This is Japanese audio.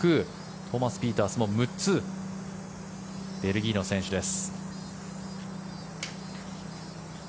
トーマス・ピータースも６つベルギーの選手です。